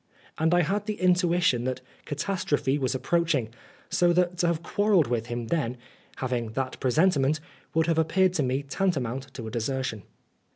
And I had the intuition that catastrophe was approaching, so that to have quarrelled with him then having that presentiment would have appeared to me tantamount to a desertion.